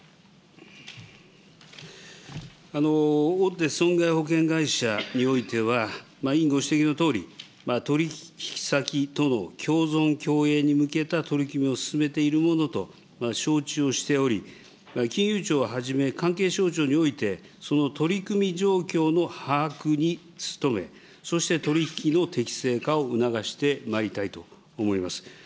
大手損害保険会社においては、委員ご指摘のとおり、取り引き先との共存共栄に向けた取り決めを進めているものと承知をしており、金融庁をはじめ、関係省庁において、その取り組み状況の把握に努め、そして取り引きの適正化を促してまいりたいと思います。